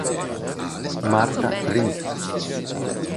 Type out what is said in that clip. Martha Reeves